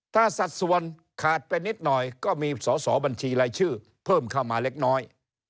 ถ้าสัดส่วนขาดไปนิดหน่อยก็มีสอสอบัญชีรายชื่อเพิ่มเข้ามาเล็กน้อย